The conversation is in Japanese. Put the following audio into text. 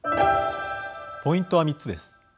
ポイントは３つです。